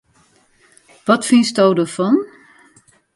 Wat fynsto derfan?